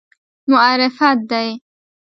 معرفت دی.